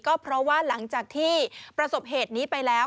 ก็เพราะว่าหลังจากที่ประสบเหตุนี้ไปแล้ว